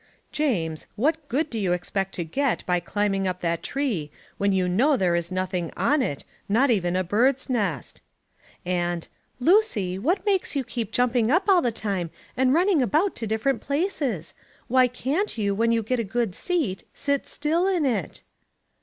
"James, what good do you expect to get by climbing up that tree, when you know there is nothing on it, not even a bird's nest?" and, "Lucy, what makes you keep jumping up all the time and running about to different places? Why can't you, when you get a good seat, sit still in it?"